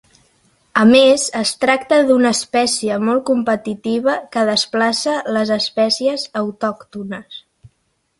A més, es tracta d'una espècie molt competitiva que desplaça les espècies autòctones.